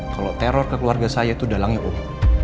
kalau teror ke keluarga saya itu dalangnya oh